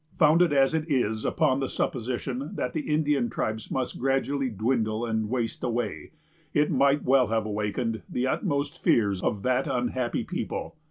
Founded as it is upon the supposition that the Indian tribes must gradually dwindle and waste away, it might well have awakened the utmost fears of that unhappy people.